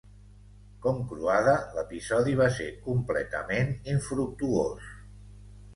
Com Croada, l'episodi va ser completament infructuós.